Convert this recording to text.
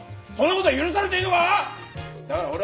そんなことが許されていいのか！？